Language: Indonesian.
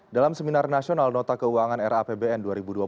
dalam seminar nasional nota keuangan rapbn dua ribu dua puluh